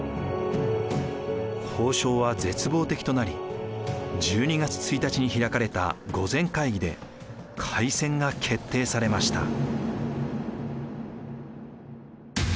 交渉は絶望的となり１２月１日に開かれた御前会議で開戦が決定されました。